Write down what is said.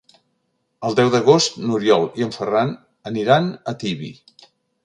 El deu d'agost n'Oriol i en Ferran aniran a Tibi.